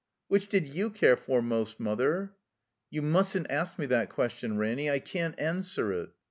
"Which did you care for most, Mother?" "You mustn't ask me that question, Ranny. I can't answer it."